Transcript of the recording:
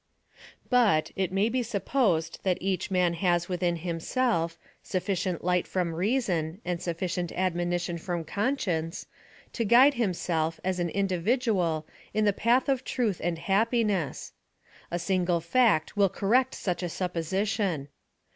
But, it may be supposed that each man has. within himself, sufilcient light from reason, and suf * See chap. i. p. 23, et seq. PLAN OP SALVATION, 87 f»cient admonition from conscience, to gnide him self, as an individual, in the path of truth and hap piness A single fact will correct such a supposi tion.